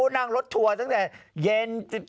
นั่งรถทัวร์ตั้งแต่เย็น